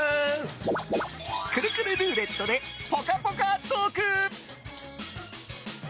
くるくるルーレットでぽかぽかトーク！